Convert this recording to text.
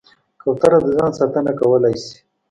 کوتره د ځان ساتنه کولی شي.